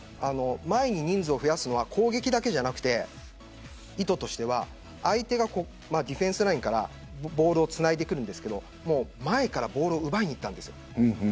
前に人数を増やすのは攻撃だけではなく意図としては相手がディフェンスラインからボールをつないでくるんですけど前からボールを奪いにいったんです。